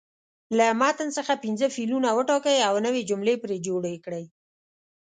له متن څخه پنځه فعلونه وټاکئ او نوې جملې پرې جوړې کړئ.